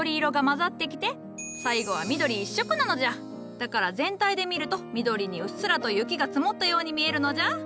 だから全体で見ると緑にうっすらと雪が積もったように見えるのじゃ。